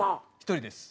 １人です。